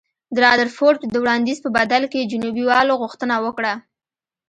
د رادرفورډ د وړاندیز په بدل کې جنوبي والو غوښتنه وکړه.